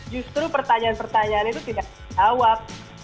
justru pertanyaan pertanyaan itu tidak terjawab